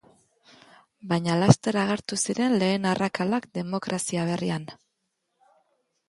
Baina laster agertu ziren lehen arrakalak demokrazia berrian.